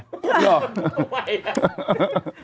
โทษใหม่่มั๊ย